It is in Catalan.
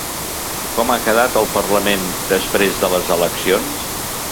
Com ha quedat el parlament després de les eleccions?